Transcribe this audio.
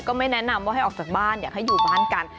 ไม่แนะนำว่าให้ออกจากบ้านอยากให้อยู่บ้านกัน